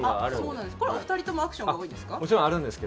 お二人ともアクションが多いですか？